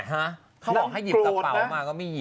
เขาบอกให้หยิบกระเป๋ามาก็ไม่หยิบ